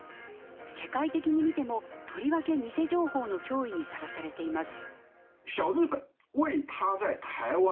世界的に見てもとりわけ偽情報の脅威にさらされています。